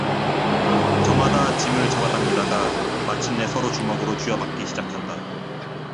저마다 짐을 잡아당기다가 마침내 서로 주먹으로 쥐어박기 시작한다.